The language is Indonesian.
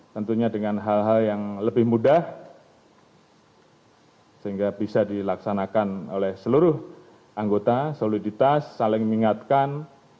tentunya dengan hal hal yang lebih mudah sehingga bisa dilaksanakan oleh seluruh anggota soliditas saling mengingatkan